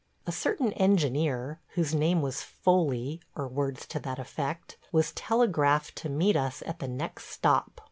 A certain engineer, whose name was Foley – or words to that effect – was telegraphed to meet us at the next stop.